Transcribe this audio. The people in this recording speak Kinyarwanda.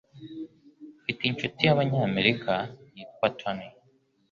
Mfite inshuti y'Abanyamerika yitwa Tony.